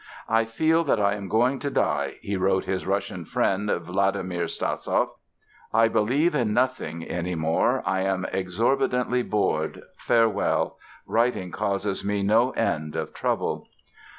"I feel that I am going to die" he wrote his Russian friend, Vladimir Stassoff. "I believe in nothing any more ... I am exorbitantly bored. Farewell! Writing causes me no end of trouble."